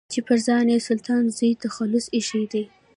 چې پر ځان يې سلطان زوی تخلص ايښی دی.